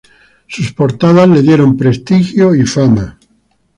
Sus portadas le dieron prestigio y fama.